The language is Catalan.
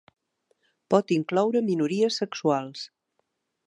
Pot incloure minories sexuals.